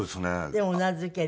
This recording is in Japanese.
でもうなずける？